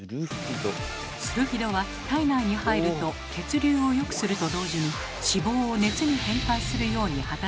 スルフィドは体内に入ると血流をよくすると同時に脂肪を熱に変換するように働きかけます。